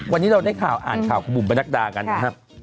วันนี้เราได้ข่าวอ่านข่าวคุณบุ๋มประนักดากันนะครับ